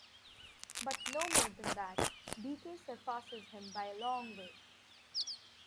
But no more than that; Beecke surpasses him by a long way.